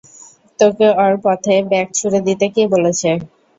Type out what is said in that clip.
তোকে ওর পথে ব্যাগ ছুড়ে দিতে কে বলেছে?